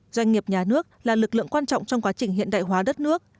doanh nghiệp nhà nước là lực lượng quan trọng trong quá trình hiện đại hóa đất nước